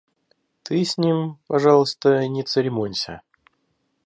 Ты с ним, пожалуйста, не церемонься.